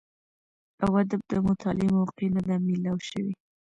او ادب د مطالعې موقع نۀ ده ميلاو شوې